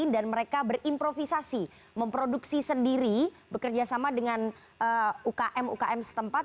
dan mereka berimprovisasi memproduksi sendiri bekerjasama dengan ukm ukm setempat